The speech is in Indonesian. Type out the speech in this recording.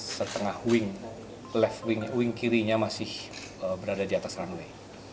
setengah wing leve wing wing kirinya masih berada di atas runway